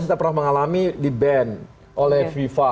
dua ribu lima belas kita pernah mengalami di ban oleh fifa